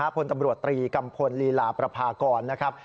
พลตำรวจตรีกัมพลลีลาประพากรนะครับ